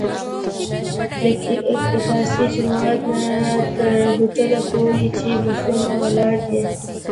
له اقصی جومات نه تر هوټل پورې چې بسونه ولاړ دي.